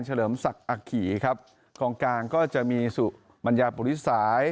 เฉลิมศักดิ์อักขีครับของกลางก็จะมีสู่บรรยาบุริษัย